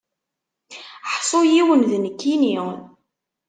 Ḥṣu yiwen ad nekini.